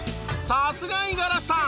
さすが五十嵐さん！